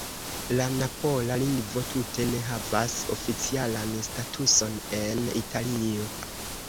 La napola lingvo tute ne havas oficialan statuson en Italio.